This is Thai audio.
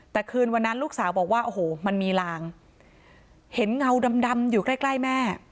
แต่คืนวันนั้นลูกสาวบอกว่าโอ้โหมันมีลางเห็นเงาดำอยู่ใกล้ใกล้แม่